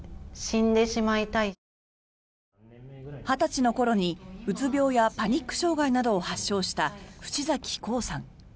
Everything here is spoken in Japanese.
２０歳のころにうつ病やパニック障害を発症した渕崎紅さん。